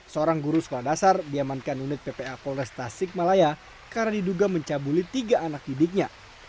seorang guru sekolah dasar diamankan unit ppa polres tasikmalaya karena diduga mencabuli tiga anak didiknya